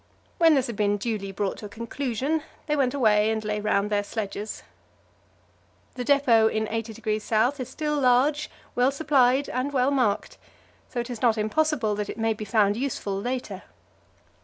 When this had been duly brought to a conclusion, they went away and lay round their sledges. The depot in 80° S. is still large, well supplied and well marked, so it is not impossible that it may be found useful later.